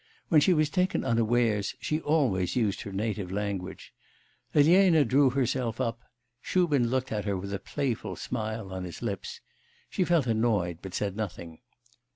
When she was taken unawares she always used her native language. Elena drew herself up. Shubin looked at her with a playful smile on his lips. She felt annoyed, but said nothing.